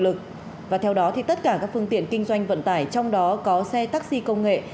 lực và theo đó thì tất cả các phương tiện kinh doanh vận tải trong đó có xe taxi công nghệ